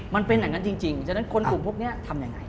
มันเป็นอย่างนั้นจริงฉะนั้นคนกลุ่มพวกนี้ทำยังไง